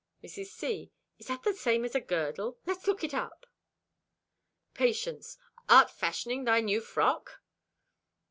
Mrs. C.—"Is that the same as girdle? Let's look it up." Patience.—"Art fashioning thy new frock?"